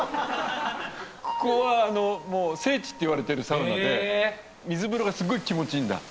ここは聖地っていわれてるサウナで水風呂がすごい気持ちいいんだ。